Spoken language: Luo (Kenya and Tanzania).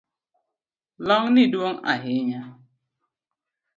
Long’ni duong’ ahinya